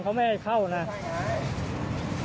กลับมาเล่าให้ฟังครับ